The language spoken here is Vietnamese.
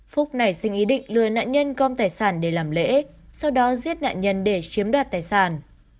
phúc nảy sinh ý định lừa nạn nhân gom tài sản để làm lễ sau đó giết nạn nhân để chiếm đoạt tài sản